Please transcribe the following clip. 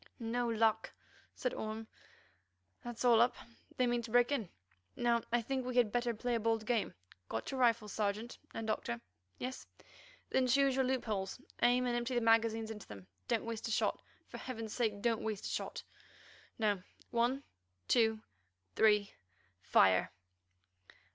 "No luck!" said Orme; "that's all up, they mean to break in. Now I think we had better play a bold game. Got your rifles, Sergeant and Doctor? Yes? Then choose your loopholes, aim, and empty the magazines into them. Don't waste a shot. For heaven's sake don't waste a shot. Now—one—two—three, fire!"